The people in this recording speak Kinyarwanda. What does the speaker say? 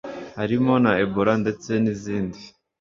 harimo na ebola ndetse n’izindi